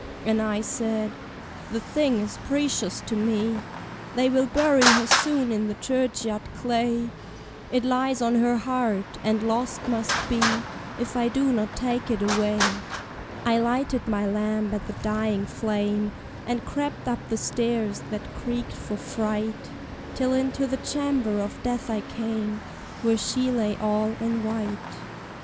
And I said "The thing is precious to me: They will bury her soon in the churchyard clay; It lies on her heart, and lost must be If I do not take it away." I lighted my lamp at the dying flame, And crept up the stairs that creaked for fright, Till into the chamber of death I came, Where she lay all in white.